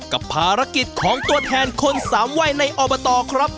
กับภารกิจของตัวแทนคนสามวัยในอบตครับ